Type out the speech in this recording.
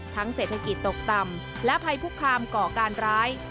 เศรษฐกิจตกต่ำและภัยคุกคามก่อการร้าย